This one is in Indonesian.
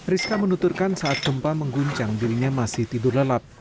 rizka menuturkan saat gempa mengguncang dirinya masih tidur lelap